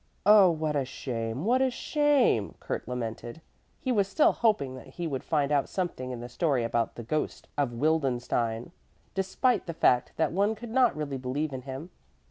"Oh, what a shame, what a shame!" Kurt lamented. He was still hoping that he would find out something in the story about the ghost of Wildenstein, despite the fact that one could not really believe in him.